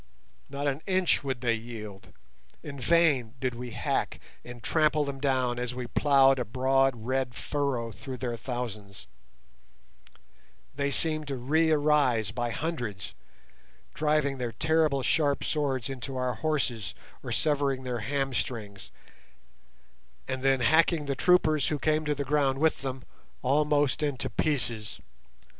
Not an inch would they yield; in vain did we hack and trample them down as we ploughed a broad red furrow through their thousands; they seemed to re arise by hundreds, driving their terrible sharp swords into our horses, or severing their hamstrings, and then hacking the troopers who came to the ground with them almost into pieces.